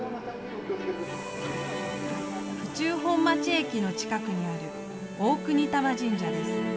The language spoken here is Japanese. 府中本町駅の近くにある大國魂神社です。